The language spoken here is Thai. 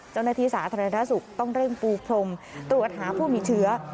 เจ้าหน้าที่สาธารณสุขต้องเร่งปูพรมตรวจหาผู้มีเชื้อ